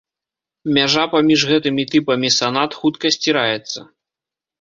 Мяжа паміж гэтымі тыпамі санат хутка сціраецца.